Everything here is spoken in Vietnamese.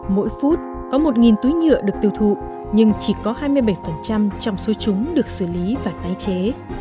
mỗi phút có một túi nhựa được tiêu thụ nhưng chỉ có hai mươi bảy trong số chúng được xử lý và tái chế